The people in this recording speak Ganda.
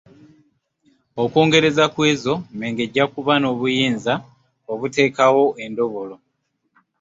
Okwongereza ku ezo, Mmengo ajja kuba n’obuyinza obuteekawo endobolo.